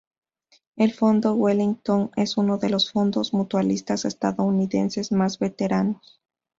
El fondo Wellington es uno de los fondos mutualistas estadounidenses más veteranos.